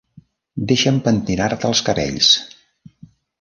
Deixa'm pentinar-te els cabells.